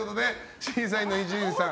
審査員の伊集院さん